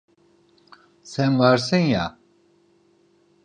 Sen varsın ya.